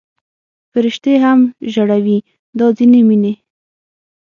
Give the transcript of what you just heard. فرشتې هم ژړوي دا ځینې مینې